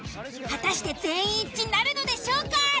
果たして全員一致なるのでしょうか？